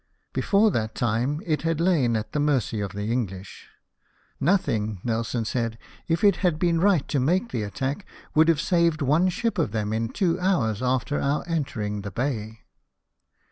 Before that time it had lain at the mercy of the English "Nothing," Nelson said, " if it had been right to make the attack, could have saved one ship of them in two hours after our entering the bay."